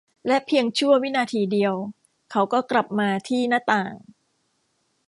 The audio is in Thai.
และเพียงชั่ววินาทีเดียว เขาก็กลับมาที่หน้าต่าง